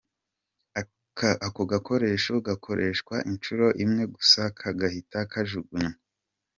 Ako gakoresho gakoreshwa inshuro imwe gusa kagahita kajugunywa.